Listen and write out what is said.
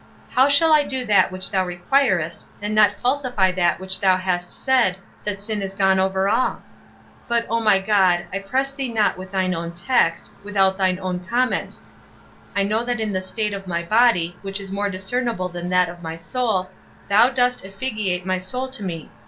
How shall I do that which thou requirest, and not falsify that which thou hast said, that sin is gone over all? But, O my God, I press thee not with thine own text, without thine own comment; I know that in the state of my body, which is more discernible than that of my soul, thou dost effigiate my soul to me.